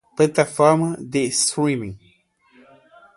plataforma de streaming